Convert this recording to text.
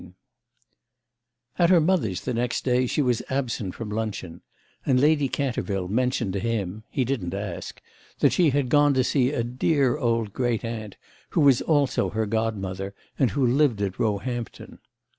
III At her mother's the next day she was absent from luncheon, and Lady Canterville mentioned to him—he didn't ask—that she had gone to see a dear old great aunt who was also her godmother and who lived at Roehampton.